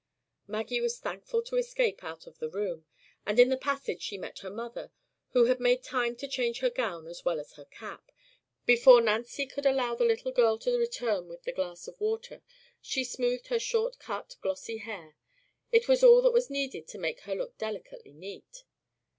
Maggie was thankful to escape out of the room; and in the passage she met her mother, who had made time to change her gown as well as her cap. Before Nancy would allow the little girl to return with the glass of water she smoothed her short cut glossy hair; it was all that was needed to make her look delicately neat.